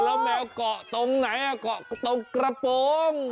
แล้วแมวก็ตรงไหนตรงกระโปรง